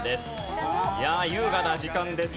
いやあ優雅な時間です。